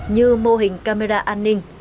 như mô hình camera an ninh